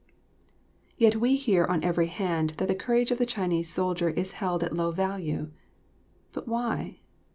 Yet we hear on every hand that the courage of the Chinese soldier is held at low value. But why?